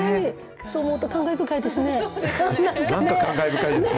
そう思うと感慨深いですね。